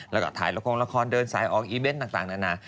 แล้วก็ถ่ายละครละครเดินสายออกอีเวนต์ต่างนานา